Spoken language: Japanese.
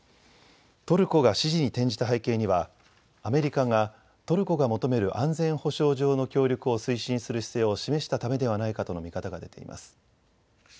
トルコが支持に転じた背景にはアメリカがトルコが求める安全保障上の協力を推進する姿勢を示したためではないかとの見方が出ています。